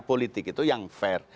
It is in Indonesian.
politik itu yang fair